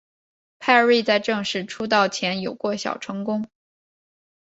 派瑞在正式出道前有过小成功。